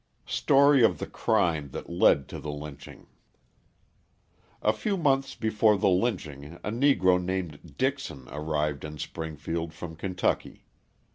Story of the Crime that Led to the Lynching A few months before the lynching a Negro named Dixon arrived in Springfield from Kentucky.